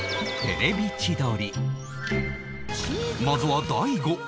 まずは大悟